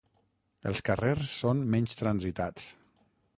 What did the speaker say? Els carrers són menys transitats.